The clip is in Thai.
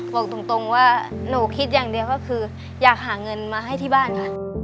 บอกตรงว่าหนูคิดอย่างเดียวก็คืออยากหาเงินมาให้ที่บ้านค่ะ